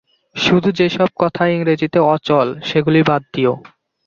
শুধু যে সব কথা ইংরেজীতে অচল, সেগুলি বাদ দিও।